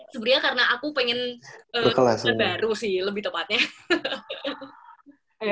sebenernya karena aku pengen ke baru sih lebih tepatnya